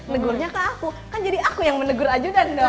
negurnya ke aku kan jadi aku yang menegur ajudan dong